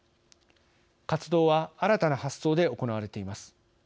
活動は新たな発想で行われています。